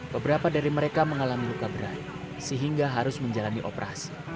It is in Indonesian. beberapa dari mereka mengalami luka berat sehingga harus menjalani operasi